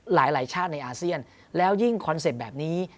หลายชาติในอาเซียนแล้วยิ่งคอนเซ็ปต์แบบนี้